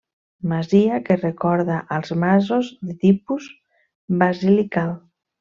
Masia que recorda als masos de tipus basilical.